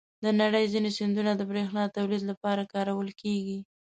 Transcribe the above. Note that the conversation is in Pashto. د نړۍ ځینې سیندونه د بریښنا تولید لپاره کارول کېږي.